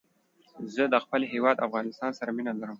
زه د خپل هېواد افغانستان سره مينه لرم